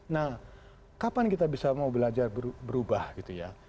nah kapan kita bisa mau belajar berubah gitu ya